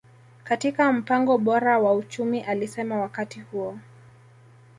katika mpango bora wa uchumi alisema wakati huo